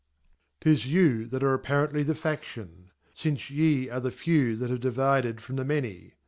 *Ti$you that are apparently the FaSlion ; finceyearetheFew* that have divided from the Many.